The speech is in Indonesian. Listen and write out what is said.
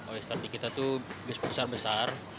oister di kita itu besar besar